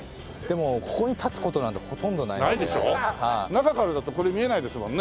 中からだとこれ見えないですもんね。